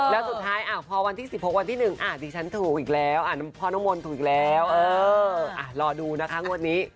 แล้วสุดท้ายพ่อวันที่สิกภกวันที่หนึ่ง